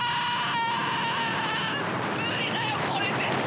無理だよこれ絶対！